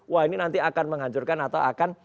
wah ini nanti akan menghancurkan atau akan